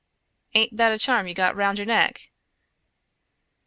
"Aint that a charm you got round your neck?"